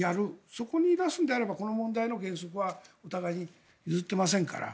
そこに出すのであればこの問題の原則はお互いに譲っていませんから。